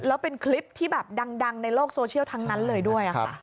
แล้วเป็นคลิปที่แบบดังในโลกโซเชียลทั้งนั้นเลยด้วยค่ะ